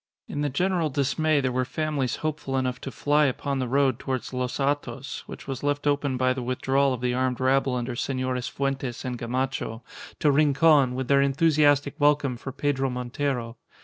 In the general dismay there were families hopeful enough to fly upon the road towards Los Hatos, which was left open by the withdrawal of the armed rabble under Senores Fuentes and Gamacho, to Rincon, with their enthusiastic welcome for Pedro Montero.